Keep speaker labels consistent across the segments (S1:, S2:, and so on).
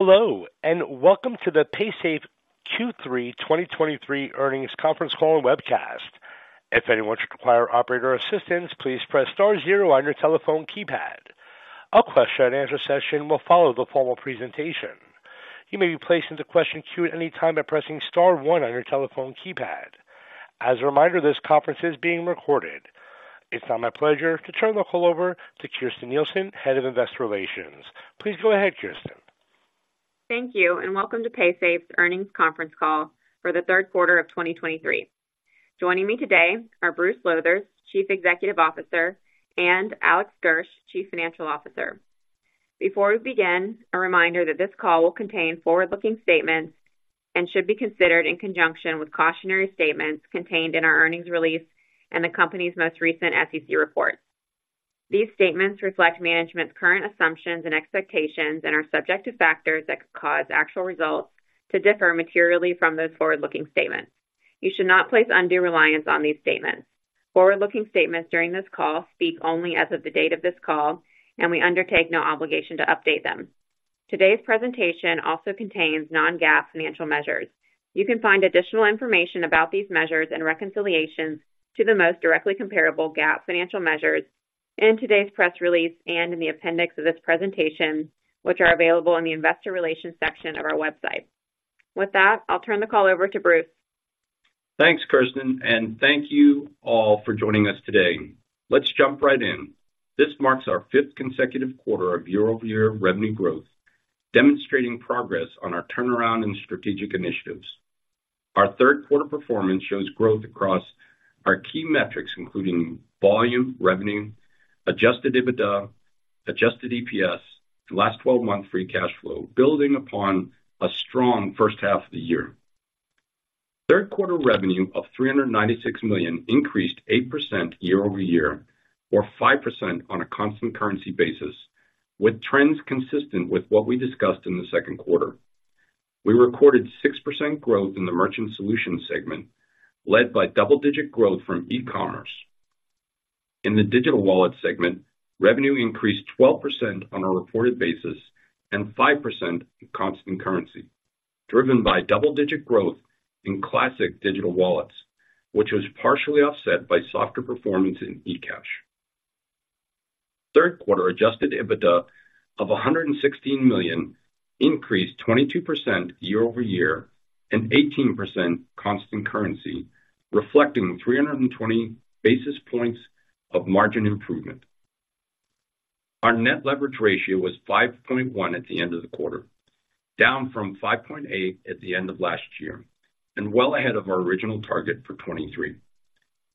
S1: Hello, and welcome to the Paysafe Q3 2023 earnings conference call and webcast. If anyone should require operator assistance, please press star zero on your telephone keypad. A question-and-answer session will follow the formal presentation. You may be placed into question queue at any time by pressing star one on your telephone keypad. As a reminder, this conference is being recorded. It's now my pleasure to turn the call over to Kirsten Nielsen, Head of Investor Relations. Please go ahead, Kirsten.
S2: Thank you, and welcome to Paysafe's earnings conference call for the third quarter of 2023. Joining me today are Bruce Lowthers, Chief Executive Officer, and Alex Gersh, Chief Financial Officer. Before we begin, a reminder that this call will contain forward-looking statements and should be considered in conjunction with cautionary statements contained in our earnings release and the company's most recent SEC report. These statements reflect management's current assumptions and expectations and are subject to factors that could cause actual results to differ materially from those forward-looking statements. You should not place undue reliance on these statements. Forward-looking statements during this call speak only as of the date of this call, and we undertake no obligation to update them. Today's presentation also contains non-GAAP financial measures. You can find additional information about these measures and reconciliations to the most directly comparable GAAP financial measures in today's press release and in the appendix of this presentation, which are available in the investor relations section of our website. With that, I'll turn the call over to Bruce.
S3: Thanks, Kirsten, and thank you all for joining us today. Let's jump right in. This marks our fifth consecutive quarter of year-over-year revenue growth, demonstrating progress on our turnaround and strategic initiatives. Our third quarter performance shows growth across our key metrics, including volume, revenue, Adjusted EBITDA, Adjusted EPS, and last twelve-month Free Cash Flow, building upon a strong first half of the year. Third quarter revenue of $396 million increased 8% year-over-year, or 5% on a Constant Currency basis, with trends consistent with what we discussed in the second quarter. We recorded 6% growth in the Merchant Solutions segment, led by double-digit growth from e-commerce. In the Digital Wallets segment, revenue increased 12% on a reported basis and 5% in Constant Currency, driven by double-digit growth in classic digital wallets, which was partially offset by softer performance in eCash. Third quarter Adjusted EBITDA of $116 million increased 22% year-over-year and 18% constant currency, reflecting 320 basis points of margin improvement. Our net leverage ratio was 5.1 at the end of the quarter, down from 5.8 at the end of last year, and well ahead of our original target for 2023.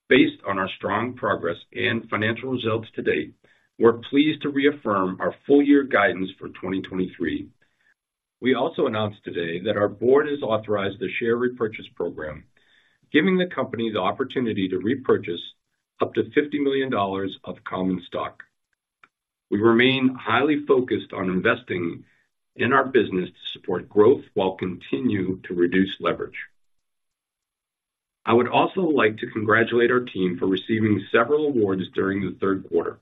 S3: Based on our strong progress and financial results to date, we're pleased to reaffirm our full year guidance for 2023. We also announced today that our board has authorized a share repurchase program, giving the company the opportunity to repurchase up to $50 million of common stock. We remain highly focused on investing in our business to support growth while continuing to reduce leverage. I would also like to congratulate our team for receiving several awards during the third quarter.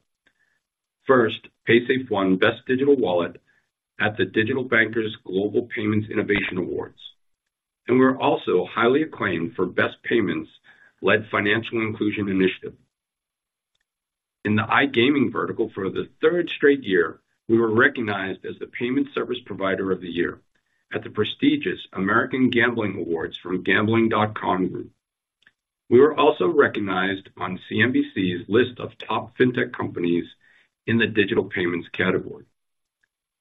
S3: First, Paysafe won Best Digital Wallet at the Digital Bankers Global Payments Innovation Awards, and we're also highly acclaimed for Best Payments-led Financial Inclusion Initiative. In the iGaming vertical for the third straight year, we were recognized as the Payment Service Provider of the Year at the prestigious American Gambling Awards from Gambling.com Group. We were also recognized on CNBC's list of top fintech companies in the digital payments category.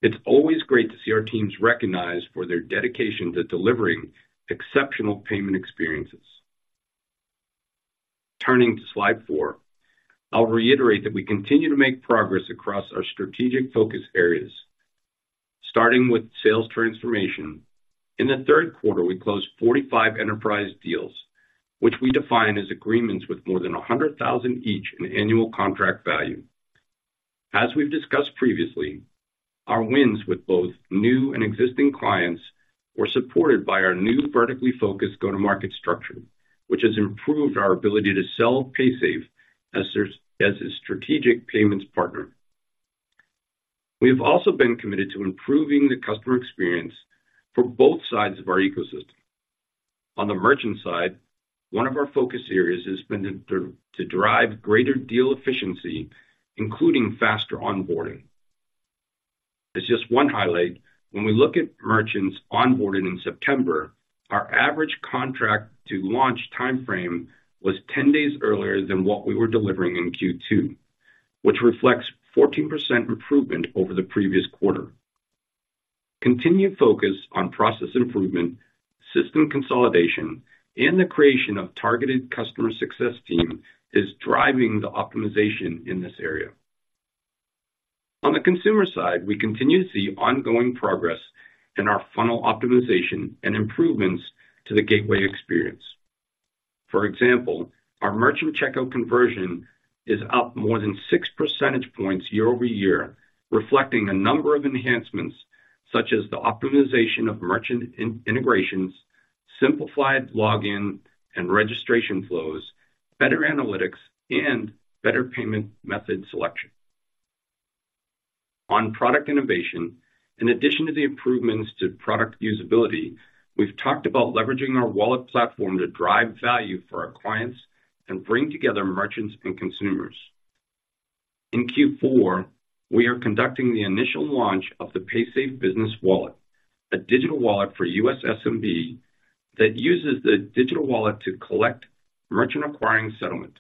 S3: It's always great to see our teams recognized for their dedication to delivering exceptional payment experiences. Turning to slide 4, I'll reiterate that we continue to make progress across our strategic focus areas. Starting with sales transformation. In the third quarter, we closed 45 enterprise deals, which we define as agreements with more than 100,000 each in annual contract value. As we've discussed previously, our wins with both new and existing clients were supported by our new vertically focused go-to-market structure, which has improved our ability to sell Paysafe as a strategic payments partner. We've also been committed to improving the customer experience for both sides of our ecosystem. On the merchant side, one of our focus areas has been to drive greater deal efficiency, including faster onboarding. As just one highlight, when we look at merchants onboarded in September, our average contract to launch timeframe was 10 days earlier than what we were delivering in Q2, which reflects 14% improvement over the previous quarter. Continued focus on process improvement, system consolidation, and the creation of targeted customer success team is driving the optimization in this area. On the consumer side, we continue to see ongoing progress in our funnel optimization and improvements to the gateway experience. For example, our merchant checkout conversion is up more than six percentage points year-over-year, reflecting a number of enhancements, such as the optimization of merchant integrations, simplified login and registration flows, better analytics, and better payment method selection. On product innovation, in addition to the improvements to product usability, we've talked about leveraging our wallet platform to drive value for our clients and bring together merchants and consumers. In Q4, we are conducting the initial launch of the Paysafe Business Wallet, a digital wallet for U.S. SMB that uses the digital wallet to collect merchant acquiring settlement.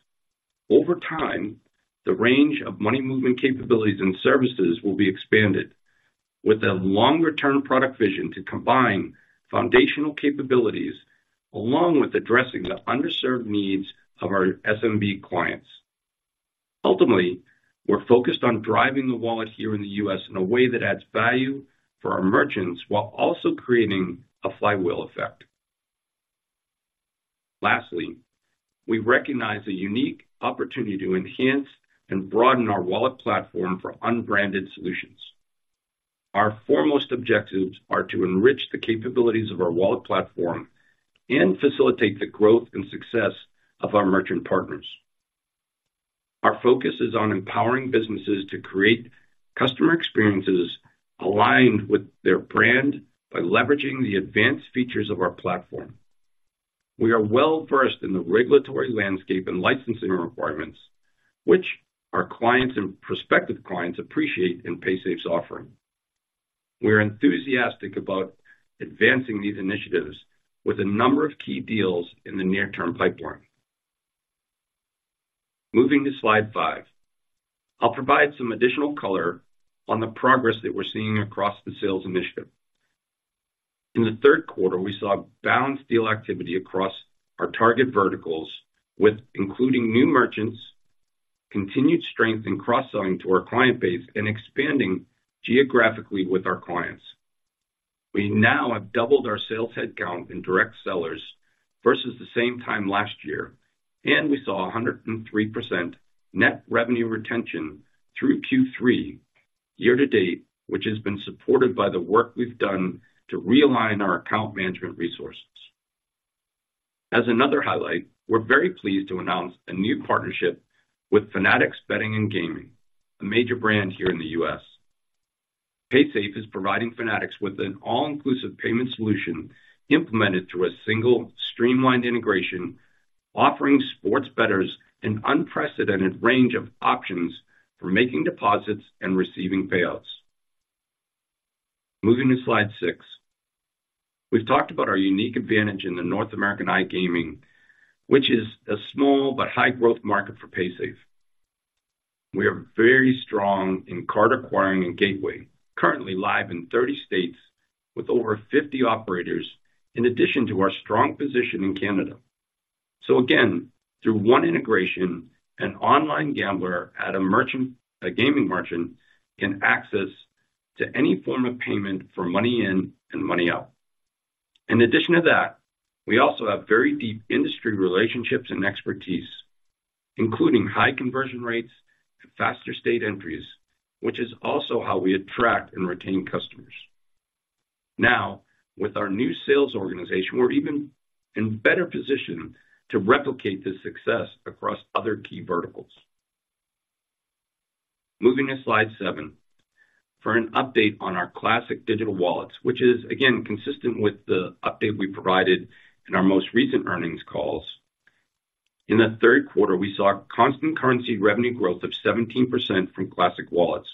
S3: Over time, the range of money movement capabilities and services will be expanded with a longer-term product vision to combine foundational capabilities, along with addressing the underserved needs of our SMB clients. Ultimately, we're focused on driving the wallet here in the U.S. in a way that adds value for our merchants, while also creating a flywheel effect. Lastly, we recognize the unique opportunity to enhance and broaden our wallet platform for unbranded solutions. Our foremost objectives are to enrich the capabilities of our wallet platform and facilitate the growth and success of our merchant partners. Our focus is on empowering businesses to create customer experiences aligned with their brand by leveraging the advanced features of our platform. We are well-versed in the regulatory landscape and licensing requirements, which our clients and prospective clients appreciate in Paysafe's offering. We're enthusiastic about advancing these initiatives with a number of key deals in the near-term pipeline. Moving to slide 5. I'll provide some additional color on the progress that we're seeing across the sales initiative. In the third quarter, we saw balanced deal activity across our target verticals with including new merchants, continued strength in cross-selling to our client base, and expanding geographically with our clients. We now have doubled our sales headcount in direct sellers versus the same time last year, and we saw 103% Net Revenue Retention through Q3 year to date, which has been supported by the work we've done to realign our account management resources. As another highlight, we're very pleased to announce a new partnership with Fanatics Betting and Gaming, a major brand here in the U.S. Paysafe is providing Fanatics with an all-inclusive payment solution implemented through a single streamlined integration, offering sports bettors an unprecedented range of options for making deposits and receiving payouts. Moving to slide 6. We've talked about our unique advantage in the North American iGaming, which is a small but high-growth market for Paysafe. We are very strong in card acquiring and gateway, currently live in 30 states with over 50 operators, in addition to our strong position in Canada. So again, through one integration, an online gambler at a merchant—a gaming merchant, can access to any form of payment for money in and money out. In addition to that, we also have very deep industry relationships and expertise, including high conversion rates and faster state entries, which is also how we attract and retain customers. Now, with our new sales organization, we're even in better position to replicate this success across other key verticals. Moving to slide 7. For an update on our classic digital wallets, which is again, consistent with the update we provided in our most recent earnings calls. In the third quarter, we saw constant currency revenue growth of 17% from classic wallets,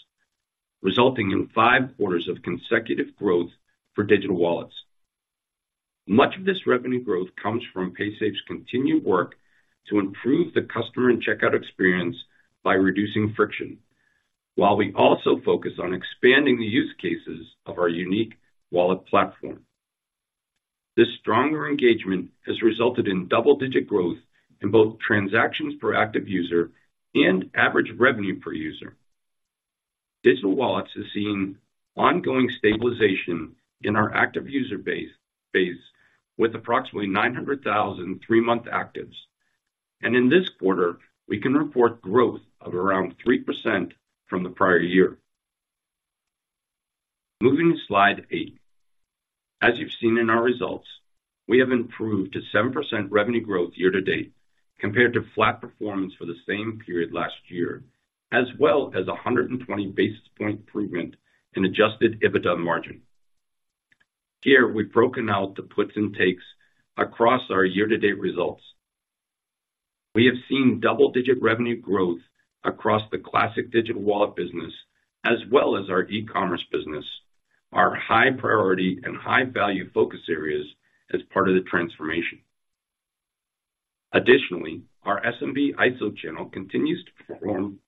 S3: resulting in five quarters of consecutive growth for digital wallets. Much of this revenue growth comes from Paysafe's continued work to improve the customer and checkout experience by reducing friction, while we also focus on expanding the use cases of our unique wallet platform. This stronger engagement has resulted in double-digit growth in both transactions per active user and average revenue per user. Digital Wallets is seeing ongoing stabilization in our active user base with approximately 900,000 three-month actives, and in this quarter, we can report growth of around 3% from the prior year. Moving to slide 8. As you've seen in our results, we have improved to 7% revenue growth year to date compared to flat performance for the same period last year, as well as a 120 basis point improvement in adjusted EBITDA margin. Here, we've broken out the puts and takes across our year-to-date results. We have seen double-digit revenue growth across the classic digital wallet business, as well as our e-commerce business, our high priority and high-value focus areas as part of the transformation. Additionally, our SMB ISO channel continues to perform,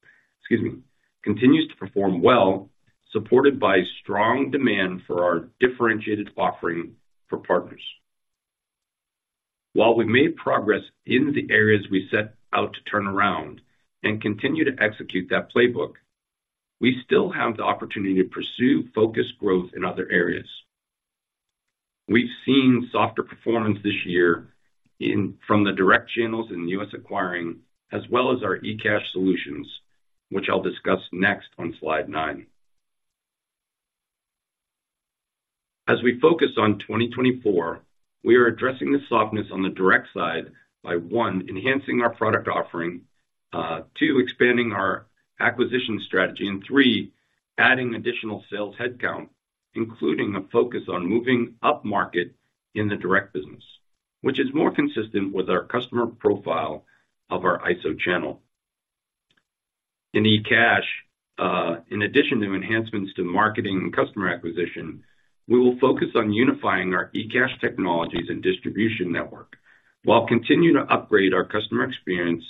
S3: excuse me, continues to perform well, supported by strong demand for our differentiated offering for partners. While we've made progress in the areas we set out to turn around and continue to execute that playbook, we still have the opportunity to pursue focused growth in other areas. We've seen softer performance this year in from the direct channels in U.S. acquiring, as well as our eCash solutions, which I'll discuss next on slide 9.... As we focus on 2024, we are addressing the softness on the direct side by 1, enhancing our product offering, 2, expanding our acquisition strategy, and 3, adding additional sales headcount, including a focus on moving upmarket in the direct business, which is more consistent with our customer profile of our ISO channel. In eCash, in addition to enhancements to marketing and customer acquisition, we will focus on unifying our eCash technologies and distribution network while continuing to upgrade our customer experience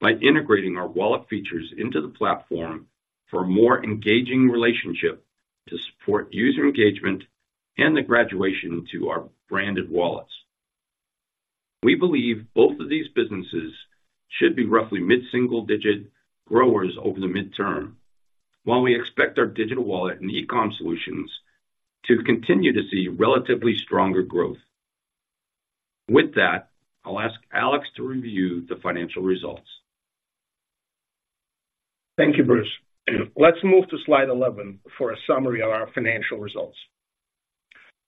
S3: by integrating our wallet features into the platform for a more engaging relationship to support user engagement and the graduation to our branded wallets. We believe both of these businesses should be roughly mid-single digit growers over the midterm, while we expect our digital wallet and e-com solutions to continue to see relatively stronger growth. With that, I'll ask Alex to review the financial results.
S4: Thank you, Bruce. Let's move to slide 11 for a summary of our financial results.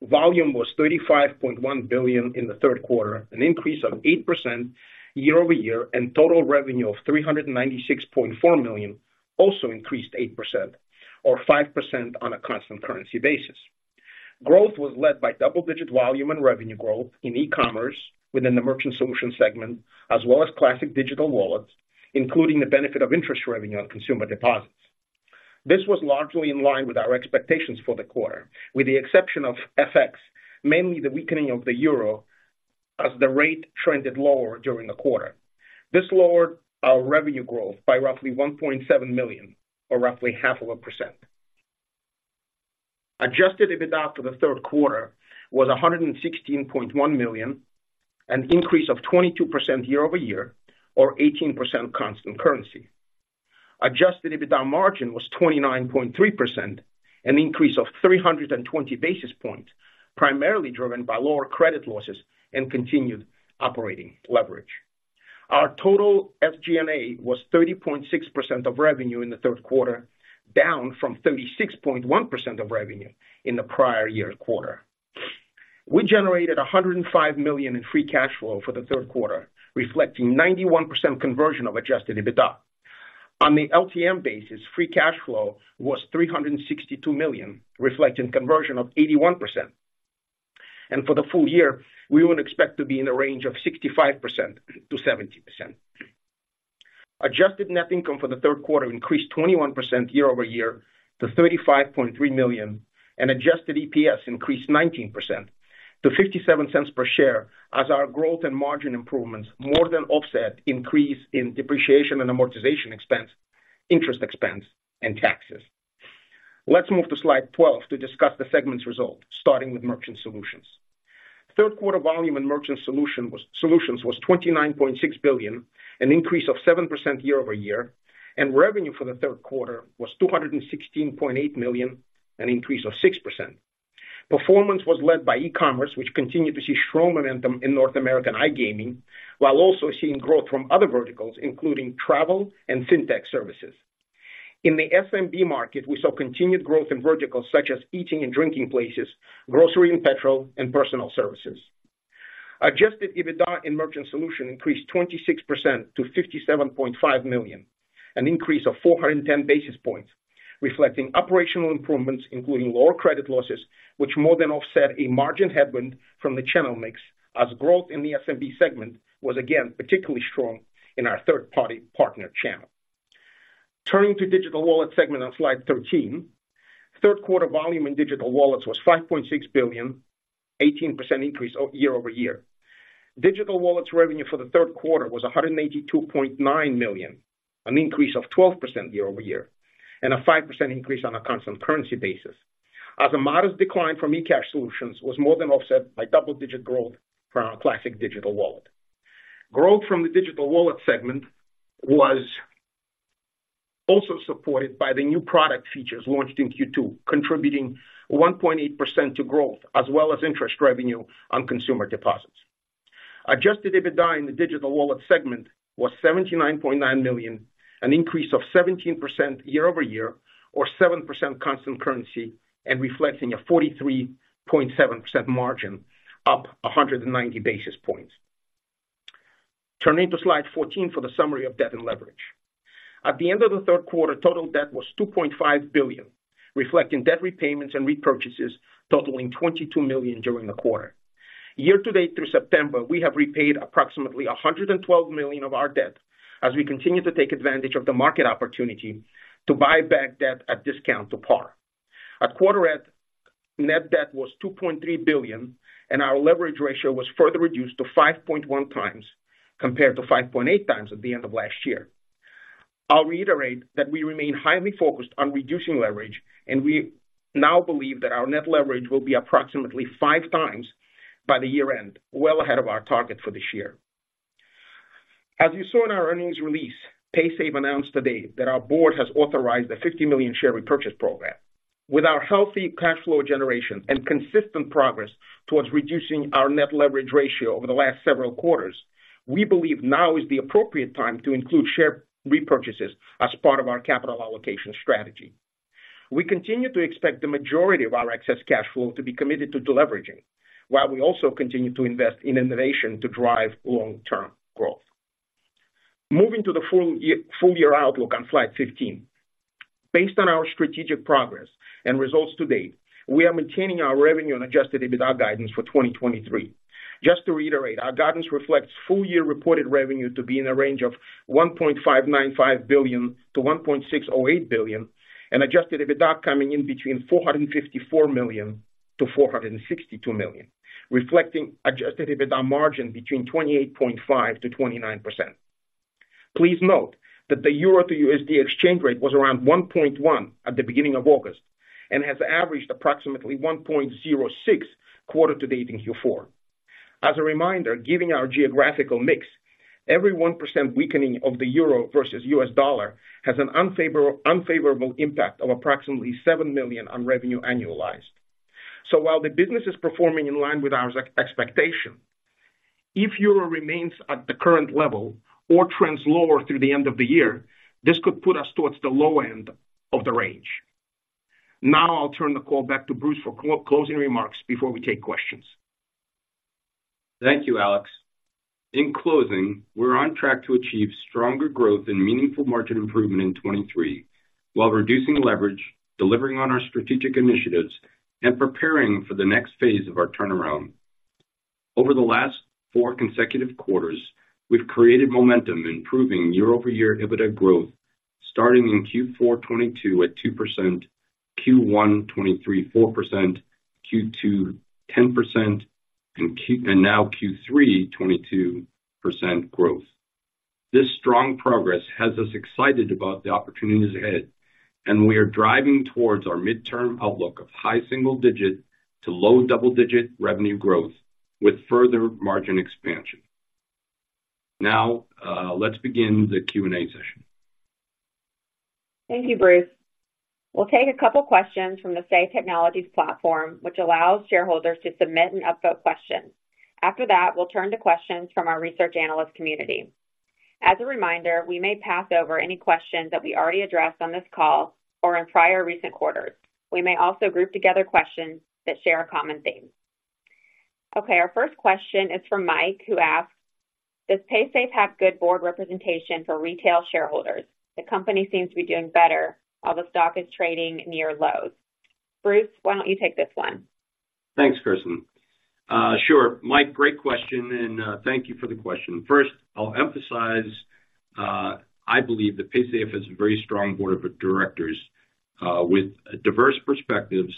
S4: Volume was $35.1 billion in the third quarter, an increase of 8% year-over-year, and total revenue of $396.4 million also increased 8% or 5% on a constant currency basis. Growth was led by double-digit volume and revenue growth in e-commerce within the Merchant Solution segment, as well as classic digital wallets, including the benefit of interest revenue on consumer deposits. This was largely in line with our expectations for the quarter, with the exception of FX, mainly the weakening of the euro as the rate trended lower during the quarter. This lowered our revenue growth by roughly $1.7 million or roughly 0.5%. Adjusted EBITDA for the third quarter was $116.1 million, an increase of 22% year over year or 18% constant currency. Adjusted EBITDA margin was 29.3%, an increase of 320 basis points, primarily driven by lower credit losses and continued operating leverage. Our total SG&A was 30.6% of revenue in the third quarter, down from 36.1% of revenue in the prior year quarter. We generated $105 million in free cash flow for the third quarter, reflecting 91% conversion of adjusted EBITDA. On the LTM basis, free cash flow was $362 million, reflecting conversion of 81%. For the full year, we would expect to be in the range of 65%-70%. Adjusted net income for the third quarter increased 21% year-over-year to $35.3 million, and adjusted EPS increased 19% to $0.57 per share as our growth and margin improvements more than offset increase in depreciation and amortization expense, interest expense, and taxes. Let's move to slide 12 to discuss the segments results, starting with Merchant Solutions. Third quarter volume in Merchant Solutions was $29.6 billion, an increase of 7% year-over-year, and revenue for the third quarter was $216.8 million, an increase of 6%. Performance was led by e-commerce, which continued to see strong momentum in North American iGaming, while also seeing growth from other verticals, including travel and fintech services. In the SMB market, we saw continued growth in verticals such as eating and drinking places, grocery and petrol, and personal services. Adjusted EBITDA in Merchant Solution increased 26% to $57.5 million, an increase of 410 basis points, reflecting operational improvements, including lower credit losses, which more than offset a margin headwind from the channel mix, as growth in the SMB segment was again, particularly strong in our third-party partner channel. Turning to digital wallet segment on slide 13, third quarter volume in digital wallets was $5.6 billion, 18% increase year-over-year. Digital wallets revenue for the third quarter was $182.9 million, an increase of 12% year-over-year, and a 5% increase on a constant currency basis. As a modest decline from eCash Solutions was more than offset by double-digit growth from our classic digital wallet. Growth from the digital wallet segment was also supported by the new product features launched in Q2, contributing 1.8% to growth, as well as interest revenue on consumer deposits. Adjusted EBITDA in the digital wallet segment was $79.9 million, an increase of 17% year-over-year or 7% constant currency, and reflecting a 43.7% margin, up 190 basis points. Turning to slide 14 for the summary of debt and leverage. At the end of the third quarter, total debt was $2.5 billion, reflecting debt repayments and repurchases totaling $22 million during the quarter. Year to date through September, we have repaid approximately $112 million of our debt as we continue to take advantage of the market opportunity to buy back debt at discount to par. Our quarter-end net debt was $2.3 billion, and our leverage ratio was further reduced to 5.1 times compared to 5.8 times at the end of last year. I'll reiterate that we remain highly focused on reducing leverage, and we now believe that our net leverage will be approximately 5 times by the year end, well ahead of our target for this year. As you saw in our earnings release, Paysafe announced today that our board has authorized a $50 million share repurchase program. With our healthy cash flow generation and consistent progress towards reducing our Net Leverage Ratio over the last several quarters, we believe now is the appropriate time to include share repurchases as part of our capital allocation strategy. We continue to expect the majority of our excess cash flow to be committed to deleveraging, while we also continue to invest in innovation to drive long-term growth. Moving to the full year, full year outlook on slide 15. Based on our strategic progress and results to date, we are maintaining our revenue and Adjusted EBITDA guidance for 2023. Just to reiterate, our guidance reflects full year reported revenue to be in a range of $1.595 billion-$1.608 billion, and adjusted EBITDA coming in between $454 million-$462 million, reflecting adjusted EBITDA margin between 28.5%-29%. Please note that the euro to USD exchange rate was around 1.1 at the beginning of August and has averaged approximately 1.06 quarter to date in Q4. As a reminder, giving our geographical mix, every 1% weakening of the euro versus US dollar has an unfavorable impact of approximately $7 million on revenue annualized. So while the business is performing in line with our expectations, if the euro remains at the current level or trends lower through the end of the year, this could put us towards the low end of the range. Now I'll turn the call back to Bruce for closing remarks before we take questions.
S3: Thank you, Alex. In closing, we're on track to achieve stronger growth and meaningful margin improvement in 2023, while reducing leverage, delivering on our strategic initiatives, and preparing for the next phase of our turnaround. Over the last four consecutive quarters, we've created momentum, improving year-over-year EBITDA growth, starting in Q4 2022 at 2%, Q1 2023, 4%, Q2, 10%, and now Q3, 22% growth. This strong progress has us excited about the opportunities ahead, and we are driving towards our midterm outlook of high single-digit to low double-digit revenue growth with further margin expansion. Now, let's begin the Q&A session.
S2: Thank you, Bruce. We'll take a couple questions from the Say Technologies platform, which allows shareholders to submit and upvote questions. After that, we'll turn to questions from our research analyst community. As a reminder, we may pass over any questions that we already addressed on this call or in prior recent quarters. We may also group together questions that share a common theme. Okay, our first question is from Mike, who asks: Does Paysafe have good board representation for retail shareholders? The company seems to be doing better, while the stock is trading near lows. Bruce, why don't you take this one?
S3: Thanks, Kirsten. Sure. Mike, great question, and thank you for the question. First, I'll emphasize, I believe that Paysafe has a very strong board of directors, with diverse perspectives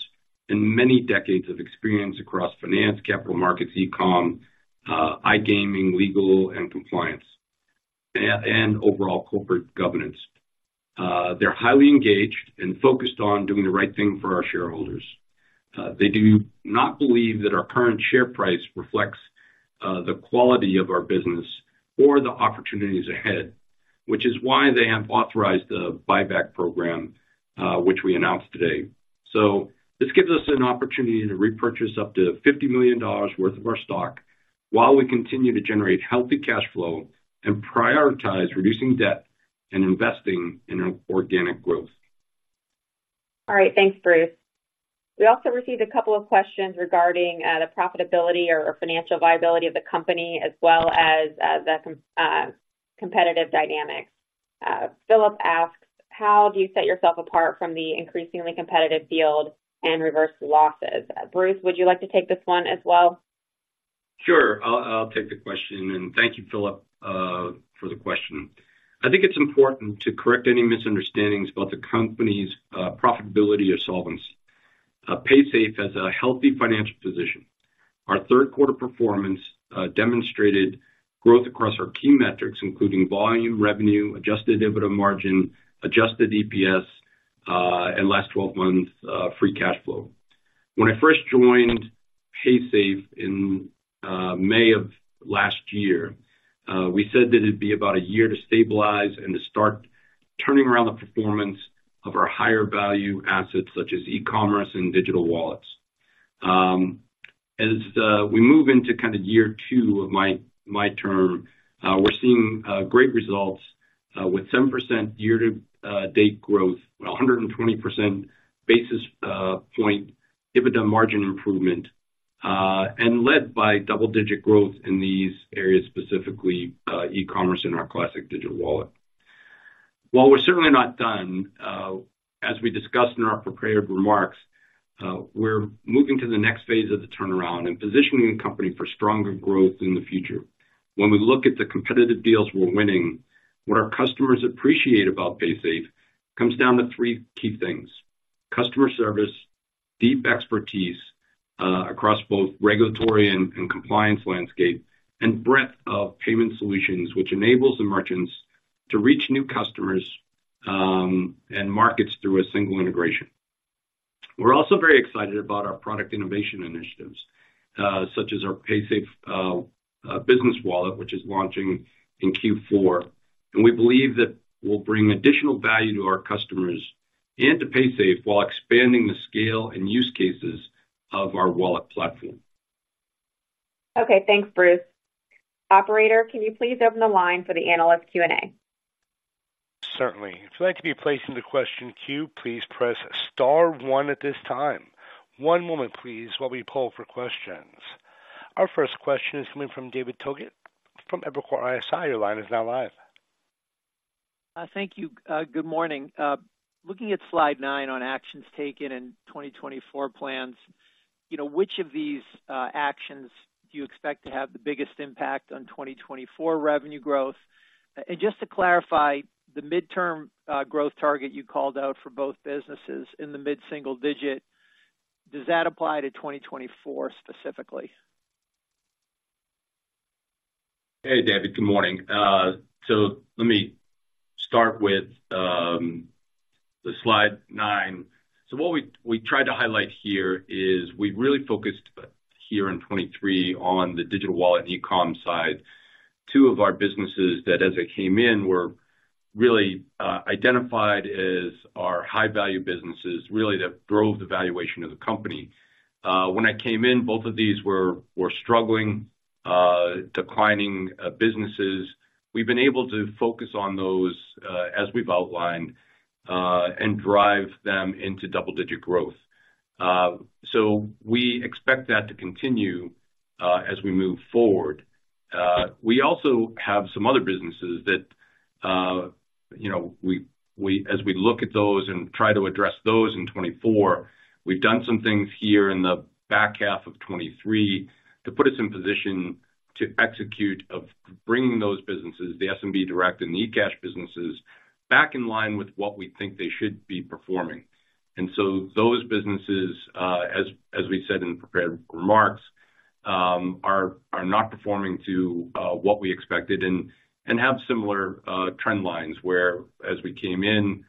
S3: and many decades of experience across finance, capital markets, e-com, iGaming, legal and compliance, and overall corporate governance. They're highly engaged and focused on doing the right thing for our shareholders. They do not believe that our current share price reflects the quality of our business or the opportunities ahead, which is why they have authorized a buyback program, which we announced today. So this gives us an opportunity to repurchase up to $50 million worth of our stock while we continue to generate healthy cash flow and prioritize reducing debt and investing in organic growth.
S2: All right. Thanks, Bruce. We also received a couple of questions regarding the profitability or financial viability of the company, as well as the competitive dynamics. Philip asks: How do you set yourself apart from the increasingly competitive field and reverse the losses? Bruce, would you like to take this one as well?
S3: Sure. I'll take the question, and thank you, Philip, for the question. I think it's important to correct any misunderstandings about the company's profitability or solvency. Paysafe has a healthy financial position. Our third quarter performance demonstrated growth across our key metrics, including volume, revenue, Adjusted EBITDA margin, Adjusted EPS, and last twelve months Free Cash Flow. When I first joined Paysafe in May of last year, we said that it'd be about a year to stabilize and to start turning around the performance of our higher value assets, such as e-commerce and Digital Wallets. As we move into kind of year two of my term, we're seeing great results with 7% year-to-date growth, 120 basis point EBITDA margin improvement, and led by double-digit growth in these areas, specifically e-commerce and our classic digital wallet. While we're certainly not done, as we discussed in our prepared remarks, we're moving to the next phase of the turnaround and positioning the company for stronger growth in the future. When we look at the competitive deals we're winning, what our customers appreciate about Paysafe comes down to three key things: customer service, deep expertise across both regulatory and compliance landscape, and breadth of payment solutions, which enables the merchants to reach new customers and markets through a single integration. We're also very excited about our product innovation initiatives, such as our Paysafe Business Wallet, which is launching in Q4, and we believe that will bring additional value to our customers and to Paysafe while expanding the scale and use cases of our wallet platform.
S2: ...Okay, thanks, Bruce. Operator, can you please open the line for the analyst Q&A?
S1: Certainly. If you'd like to be placed in the question queue, please press star one at this time. One moment, please, while we pull for questions. Our first question is coming from David Togut from Evercore ISI. Your line is now live.
S5: Thank you. Good morning. Looking at slide 9 on actions taken in 2024 plans, you know, which of these actions do you expect to have the biggest impact on 2024 revenue growth? And just to clarify, the midterm growth target you called out for both businesses in the mid-single digit, does that apply to 2024 specifically?
S3: Hey, David. Good morning. So let me start with the slide 9. So what we tried to highlight here is we really focused here in 2023 on the digital wallet and e-com side, two of our businesses that as I came in were really identified as our high-value businesses, really that drove the valuation of the company. When I came in, both of these were struggling, declining businesses. We've been able to focus on those as we've outlined and drive them into double-digit growth. So we expect that to continue as we move forward. We also have some other businesses that, you know, as we look at those and try to address those in 2024, we've done some things here in the back half of 2023 to put us in position to execute of bringing those businesses, the SMB Direct and the eCash businesses, back in line with what we think they should be performing. And so those businesses, as we said in prepared remarks, are not performing to what we expected and have similar trend lines, where as we came in,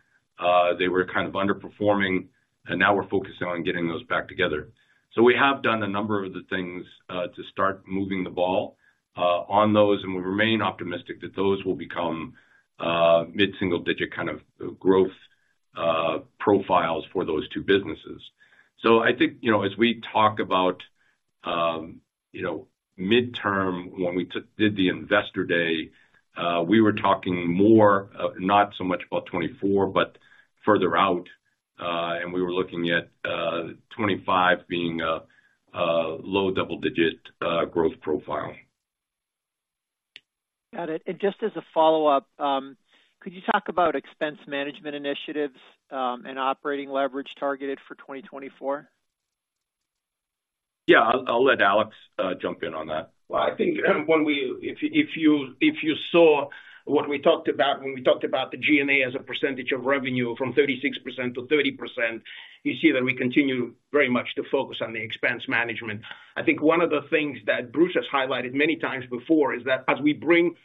S3: they were kind of underperforming, and now we're focusing on getting those back together. So we have done a number of the things to start moving the ball on those, and we remain optimistic that those will become mid-single digit kind of growth profiles for those two businesses. So I think, you know, as we talk about, you know, midterm, when we did the Investor Day, we were talking more not so much about 2024, but further out, and we were looking at 2025 being a low double-digit growth profile.
S5: Got it. Just as a follow-up, could you talk about expense management initiatives and operating leverage targeted for 2024?
S3: Yeah, I'll let Alex jump in on that.
S4: Well, I think if you saw what we talked about when we talked about the G&A as a percentage of revenue from 36% to 30%, you see that we continue very much to focus on the expense management. I think one of the things that Bruce has highlighted many times before is that as we bring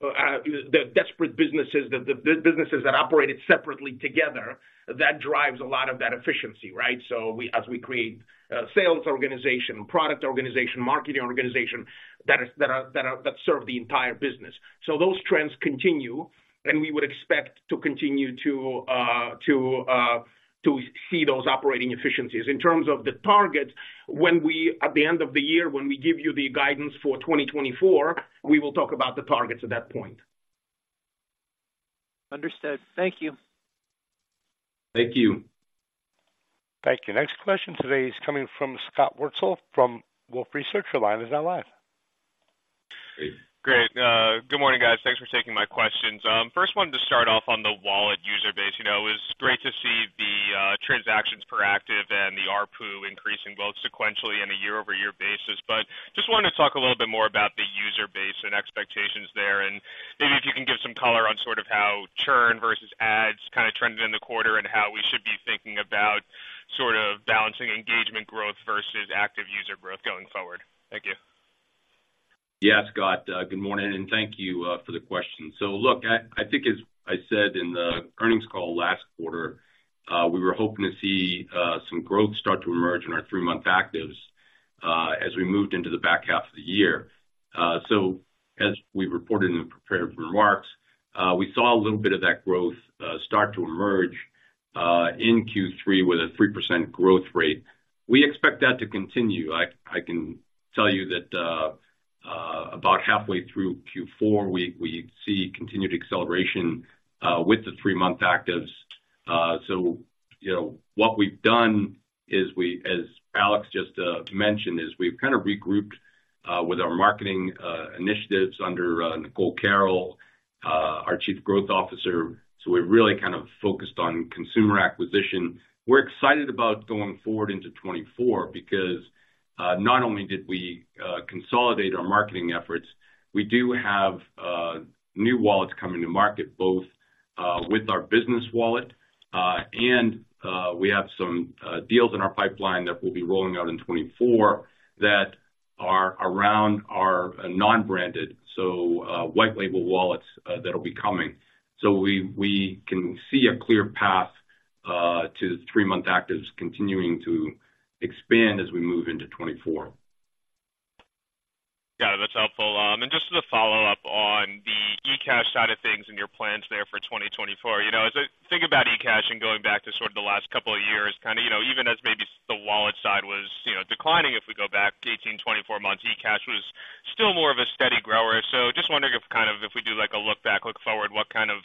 S4: the disparate businesses, the businesses that operated separately together, that drives a lot of that efficiency, right? So as we create a sales organization, product organization, marketing organization that serve the entire business. So those trends continue, and we would expect to continue to see those operating efficiencies. In terms of the targets, at the end of the year, when we give you the guidance for 2024, we will talk about the targets at that point.
S5: Understood. Thank you.
S3: Thank you.
S1: Thank you. Next question today is coming from Scott Wurtzel from Wolfe Research. Your line is now live.
S6: Great. Good morning, guys. Thanks for taking my questions. First wanted to start off on the wallet user base. You know, it was great to see the transactions per active and the ARPU increasing both sequentially on a year-over-year basis. But just wanted to talk a little bit more about the user base and expectations there, and maybe if you can give some color on sort of how churn versus ads kind of trended in the quarter and how we should be thinking about sort of balancing engagement growth versus active user growth going forward. Thank you.
S3: Yeah, Scott, good morning, and thank you for the question. So look, I think as I said in the earnings call last quarter, we were hoping to see some growth start to emerge in our three-month actives as we moved into the back half of the year. So as we reported in the prepared remarks, we saw a little bit of that growth start to emerge in Q3 with a 3% growth rate. We expect that to continue. I can tell you that about halfway through Q4, we see continued acceleration with the three-month actives. So, you know, what we've done is we, as Alex just mentioned, is we've kind of regrouped with our marketing initiatives under Nicole Carroll, our Chief Growth Officer. So we're really kind of focused on consumer acquisition. We're excited about going forward into 2024 because, not only did we consolidate our marketing efforts, we do have new wallets coming to market, both with our business wallet and we have some deals in our pipeline that we'll be rolling out in 2024, that are around our non-branded, so white label wallets, that'll be coming. So we, we can see a clear path to 3-month actives continuing to expand as we move into 2024.
S6: Yeah, that's helpful. And just as a follow-up, things in your plans there for 2024. You know, as I think about eCash and going back to sort of the last couple of years, kinda, you know, even as maybe the wallet side was, you know, declining, if we go back to 18-24 months, eCash was still more of a steady grower. So just wondering if kind of, if we do, like, a look back, look forward, what kind of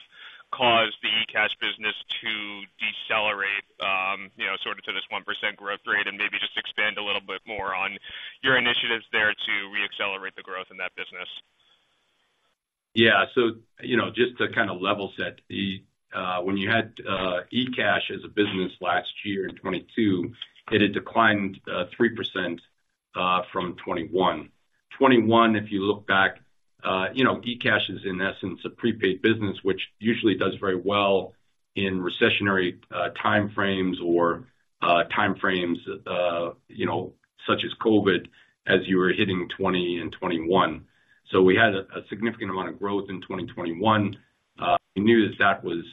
S6: caused the eCash business to decelerate, you know, sort of to this 1% growth rate? And maybe just expand a little bit more on your initiatives there to reaccelerate the growth in that business.
S3: Yeah. So, you know, just to kind of level set the when you had eCash as a business last year in 2022, it had declined three percent from 2021. 2021, if you look back, you know, eCash is, in essence, a prepaid business, which usually does very well in recessionary time frames or time frames, you know, such as COVID, as you were hitting 2020 and 2021. So we had a significant amount of growth in 2021. We knew that that was.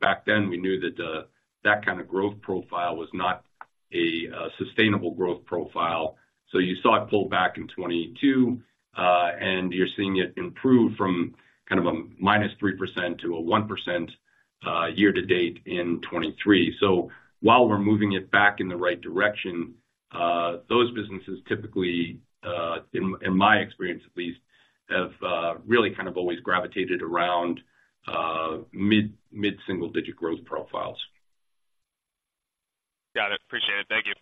S3: Back then, we knew that that kind of growth profile was not a sustainable growth profile. So you saw it pull back in 2022, and you're seeing it improve from kind of a -3% to a 1%, year to date in 2023. So while we're moving it back in the right direction, those businesses typically, in my experience at least, have really kind of always gravitated around mid-single-digit growth profiles.
S6: Got it. Appreciate it. Thank you.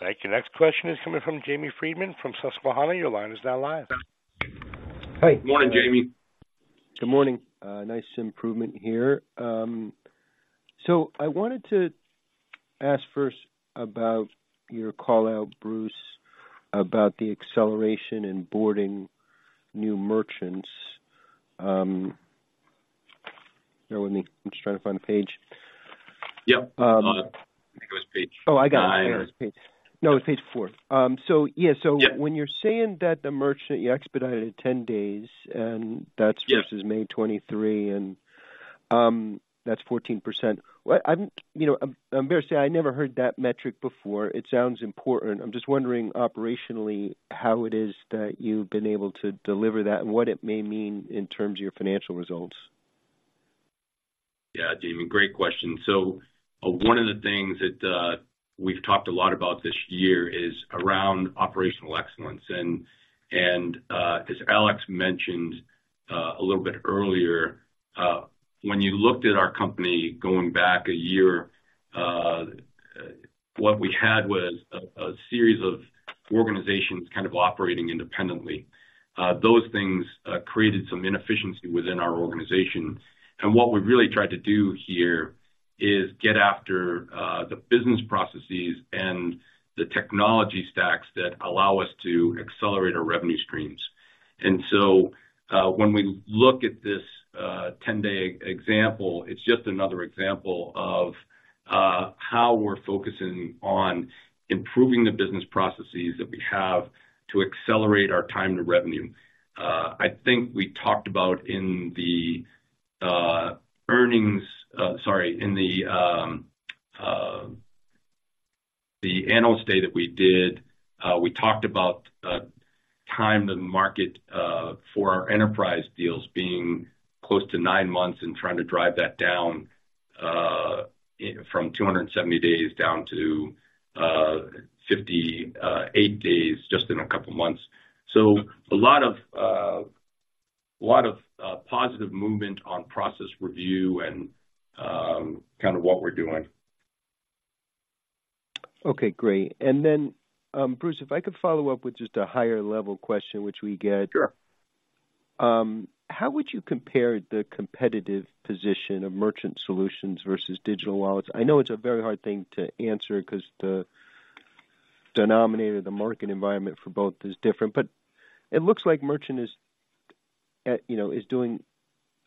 S1: Thank you. Next question is coming from Jamie Friedman from Susquehanna. Your line is now live.
S7: Hi.
S3: Good morning, Jamie.
S7: Good morning. Nice improvement here. I wanted to ask first about your call-out, Bruce, about the acceleration in boarding new merchants. Bear with me. I'm just trying to find the page.
S3: Yep. I think it was page-
S7: Oh, I got it.
S3: Nine.
S7: No, it's page four. So yeah.
S3: Yeah.
S7: When you're saying that the merchant, you expedited 10 days, and that's-
S3: Yeah
S7: - versus May 2023, and that's 14%. What I'm—you know, I'm embarrassed to say I never heard that metric before. It sounds important. I'm just wondering operationally, how it is that you've been able to deliver that and what it may mean in terms of your financial results.
S3: Yeah, Jamie, great question. So one of the things that we've talked a lot about this year is around operational excellence. As Alex mentioned a little bit earlier, when you looked at our company going back a year, what we had was a series of organizations kind of operating independently. Those things created some inefficiency within our organization. And what we've really tried to do here is get after the business processes and the technology stacks that allow us to accelerate our revenue streams. And so, when we look at this 10-day example, it's just another example of how we're focusing on improving the business processes that we have to accelerate our time to revenue. I think we talked about in the earnings... Sorry, in the Analyst Day that we did, we talked about time to market for our enterprise deals being close to 9 months and trying to drive that down from 270 days down to 58 days, just in a couple of months. So a lot of positive movement on process review and kind of what we're doing.
S7: Okay, great. And then, Bruce, if I could follow up with just a higher level question, which we get.
S3: Sure.
S7: How would you compare the competitive position of Merchant Solutions versus Digital Wallets? I know it's a very hard thing to answer because the denominator, the market environment for both, is different, but it looks like Merchant is at, you know, is doing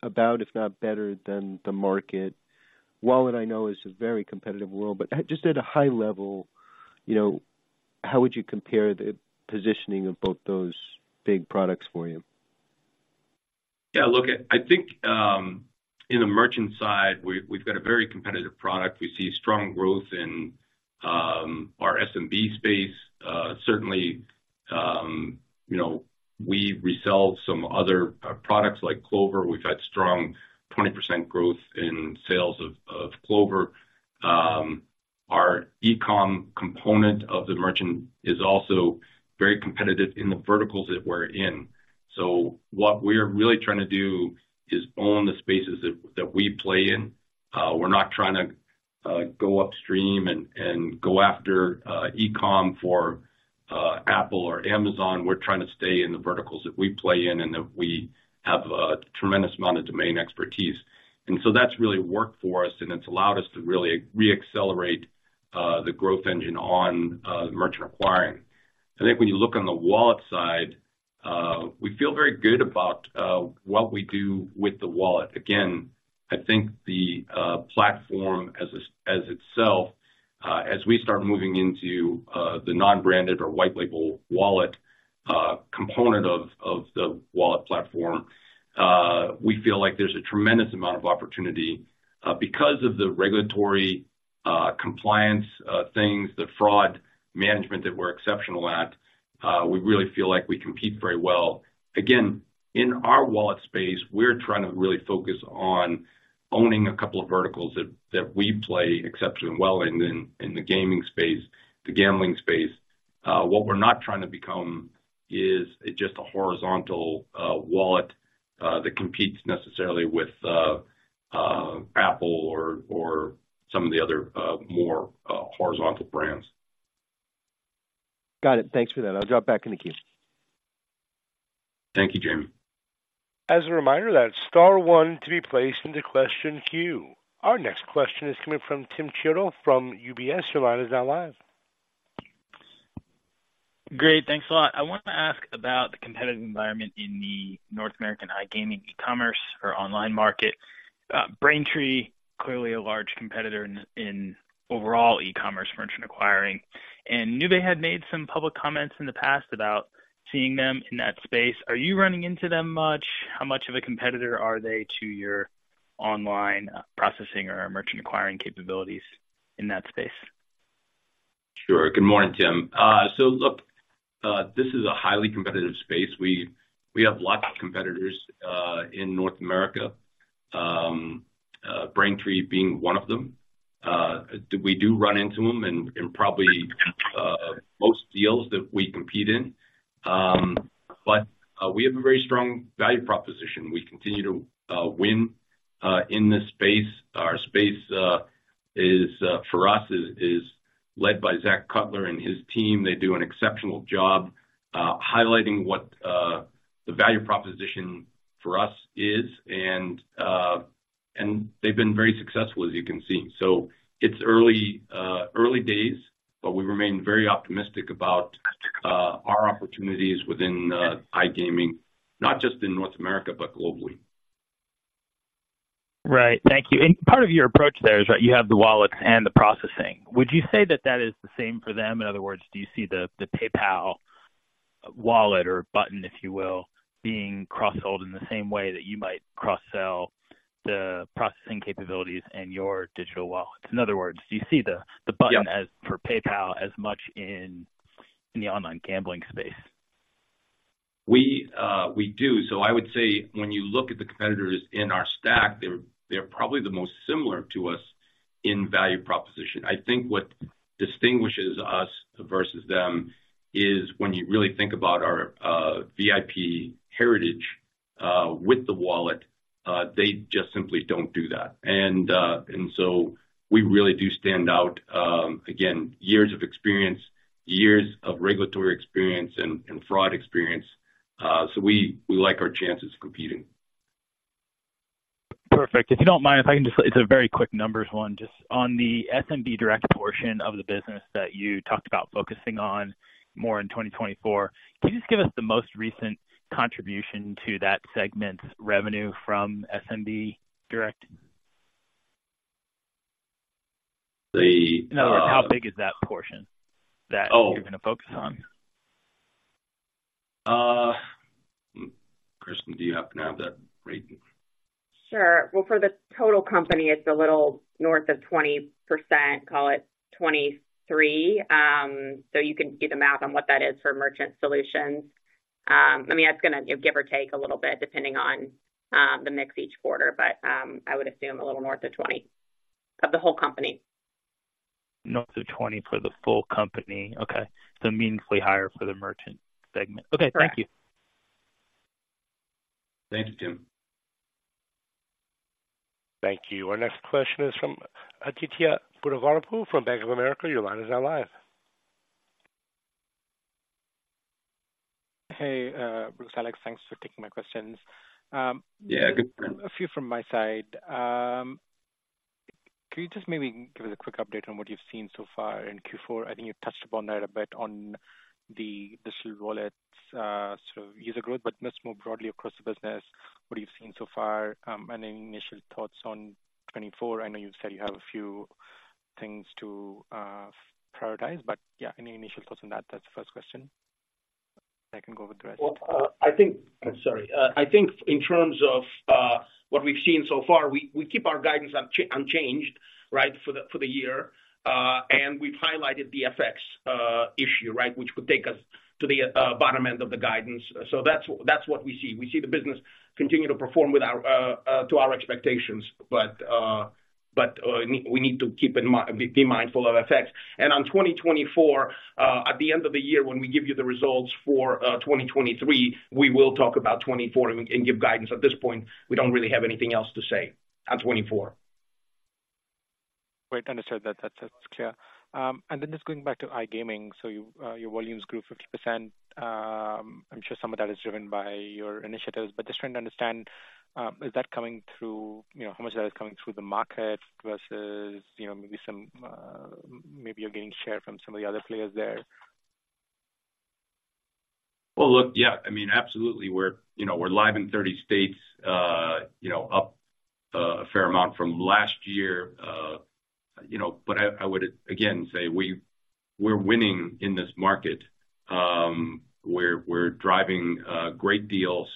S7: about, if not better than the market. Wallet, I know, is a very competitive world, but just at a high level, you know, how would you compare the positioning of both those big products for you?
S3: Yeah, look, I think, in the merchant side, we, we've got a very competitive product. We see strong growth in, our SMB space. Certainly, you know, we resell some other products like Clover. We've had strong 20% growth in sales of Clover. Our e-com component of the merchant is also very competitive in the verticals that we're in. So what we're really trying to do is own the spaces that we play in. We're not trying to go upstream and go after e-com for Apple or Amazon. We're trying to stay in the verticals that we play in and that we have a tremendous amount of domain expertise. And so that's really worked for us, and it's allowed us to really reaccelerate the growth engine on merchant acquiring. I think when you look on the wallet side, we feel very good about what we do with the wallet. Again, I think the platform as itself, as we start moving into the non-branded or White Label Wallet component of the wallet platform, we feel like there's a tremendous amount of opportunity because of the regulatory compliance things, the fraud management that we're exceptional at, we really feel like we compete very well. Again, in our wallet space, we're trying to really focus on owning a couple of verticals that we play exceptionally well in, in the gaming space, the gambling space. What we're not trying to become is just a horizontal wallet that competes necessarily with Apple or some of the other more horizontal brands.
S7: Got it. Thanks for that. I'll drop back in the queue.
S3: Thank you, Jamie.
S1: As a reminder, that's star one to be placed into question queue. Our next question is coming from Tim Chiodo from UBS. Your line is now live.
S8: Great, thanks a lot. I wanted to ask about the competitive environment in the North American iGaming, e-commerce or online market. Braintree, clearly a large competitor in overall e-commerce merchant acquiring, and Nuvei had made some public comments in the past about seeing them in that space. Are you running into them much? How much of a competitor are they to your online processing or merchant acquiring capabilities in that space?
S3: Sure. Good morning, Tim. So look, this is a highly competitive space. We have lots of competitors in North America, Braintree being one of them. We do run into them and probably most deals that we compete in. But we have a very strong value proposition. We continue to win in this space. Our space, for us, is led by Zak Cutler and his team. They do an exceptional job highlighting what the value proposition for us is, and they've been very successful, as you can see. So it's early days, but we remain very optimistic about our opportunities within iGaming, not just in North America, but globally.
S8: Right. Thank you. And part of your approach there is, right, you have the wallets and the processing. Would you say that that is the same for them? In other words, do you see the PayPal wallet or button, if you will, being cross-sold in the same way that you might cross-sell the processing capabilities and your digital wallets? In other words, do you see the button-
S3: Yeah
S8: as for PayPal, as much in the online gambling space?
S3: We, we do. So I would say when you look at the competitors in our stack, they're probably the most similar to us in value proposition. I think what distinguishes us versus them is when you really think about our VIP heritage with the wallet, they just simply don't do that. And so we really do stand out. Again, years of experience, years of regulatory experience and fraud experience. So we like our chances of competing.
S8: Perfect. If you don't mind, if I can just. It's a very quick numbers one. Just on the SMB Direct portion of the business that you talked about focusing on more in 2024, can you just give us the most recent contribution to that segment's revenue from SMB Direct?
S3: The, uh-
S8: In other words, how big is that portion that-
S3: Oh.
S8: You're going to focus on?
S3: Kirsten, do you happen to have that rate?
S9: Sure. Well, for the total company, it's a little north of 20%, call it 23%. So you can do the math on what that is for Merchant Solutions. I mean, that's gonna give or take a little bit, depending on the mix each quarter, but I would assume a little north of 20%, of the whole company.
S8: North of 20 for the full company. Okay. So meaningfully higher for the merchant segment.
S9: Right.
S8: Okay, thank you.
S3: Thank you, Tim.
S1: Thank you. Our next question is from Aditya Puruvarapu from Bank of America. Your line is now live.
S10: Hey, Alex, thanks for taking my questions.
S3: Yeah.
S10: A few from my side. Can you just maybe give us a quick update on what you've seen so far in Q4? I think you touched upon that a bit on the Digital Wallets, sort of user growth, but just more broadly across the business, what you've seen so far, any initial thoughts on 2024? I know you've said you have a few things to, prioritize, but yeah, any initial thoughts on that? That's the first question. I can go over the rest.
S3: Well, I think... Sorry. I think in terms of what we've seen so far, we keep our guidance unchanged, right, for the year. And we've highlighted the FX issue, right, which could take us to the bottom end of the guidance. So that's what we see. We see the business continue to perform to our expectations, but we need to be mindful of FX. And on 2024, at the end of the year, when we give you the results for 2023, we will talk about 2024 and give guidance. At this point, we don't really have anything else to say on 2024.
S10: Great, understood. That's, that's clear. And then just going back to iGaming, so your, your volumes grew 50%. I'm sure some of that is driven by your initiatives, but just trying to understand, is that coming through— You know, how much of that is coming through the market versus, you know, maybe some, maybe you're gaining share from some of the other players there?
S3: Well, look, yeah, I mean, absolutely, we're, you know, we're live in 30 states, you know, up a fair amount from last year. You know, but I would again say we're winning in this market. We're driving great deals.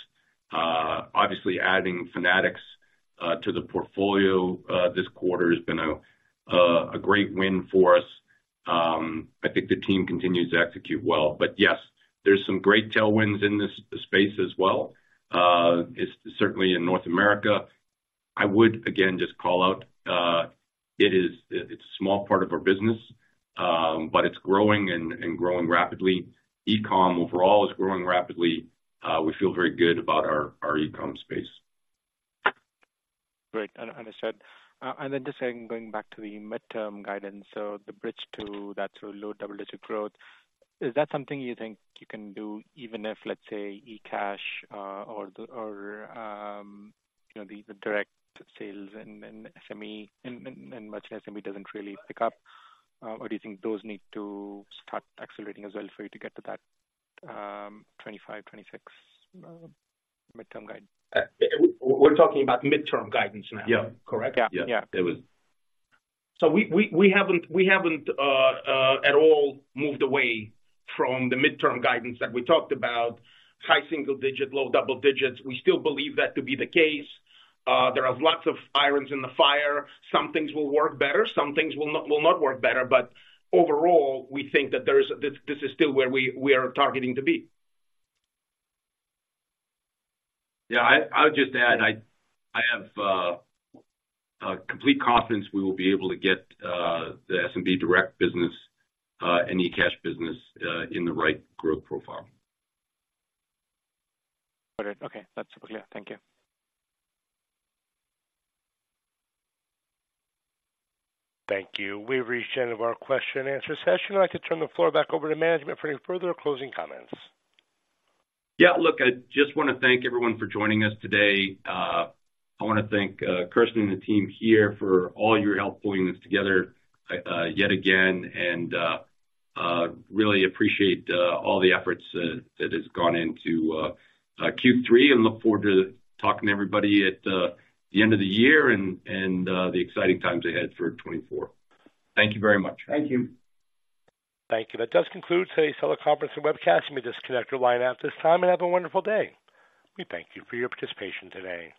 S3: Obviously, adding Fanatics to the portfolio this quarter has been a great win for us. I think the team continues to execute well. But yes, there's some great tailwinds in this space as well. It's certainly in North America. I would again just call out it is it, it's a small part of our business, but it's growing and growing rapidly. E-com overall is growing rapidly. We feel very good about our e-com space.
S10: Great, understood. And then just saying, going back to the midterm guidance, so the bridge to that sort of low double-digit growth, is that something you think you can do, even if, let's say, e-cash or the direct sales and much less SME doesn't really pick up? Or do you think those need to start accelerating as well for you to get to that 25, 26 midterm guide?
S4: We're talking about midterm guidance now?
S3: Yeah.
S4: Correct?
S3: Yeah.
S10: Yeah.
S3: It was.
S4: So we haven't at all moved away from the midterm guidance that we talked about, high single digit, low double digits. We still believe that to be the case. There are lots of irons in the fire. Some things will work better, some things will not work better. But overall, we think that there is—this is still where we are targeting to be.
S3: Yeah, I would just add, I have complete confidence we will be able to get the S&P direct business and eCash business in the right growth profile.
S10: Okay. Okay, that's super clear. Thank you.
S1: Thank you. We've reached the end of our question and answer session. I'd like to turn the floor back over to management for any further closing comments.
S3: Yeah, look, I just wanna thank everyone for joining us today. I wanna thank Kirsten and the team here for all your help pulling this together, yet again, and really appreciate all the efforts that has gone into Q3, and look forward to talking to everybody at the end of the year and the exciting times ahead for 2024. Thank you very much.
S4: Thank you.
S1: Thank you. That does conclude today's teleconference and webcast. You may disconnect your line at this time and have a wonderful day. We thank you for your participation today.